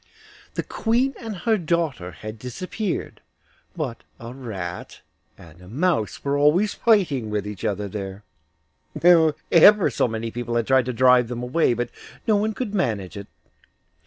The Queen and her daughter had disappeared, but a rat and a mouse were always fighting with each other there. Ever so many people had tried to drive them away, but no one could manage it.